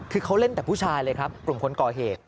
คือเขาเล่นแต่ผู้ชายเลยครับกลุ่มคนก่อเหตุ